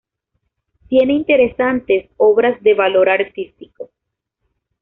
Tiene interesantes obras de valor artístico.